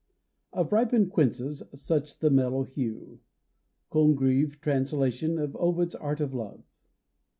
Of ripened quinces such the mellow hue. _Congreve Translation, of Ovid's Art of Love.